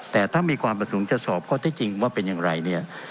แต่ถ้ามีความประสงค์จะสอบข้อที่จริงว่าเป็นอย่างไรเนี่ย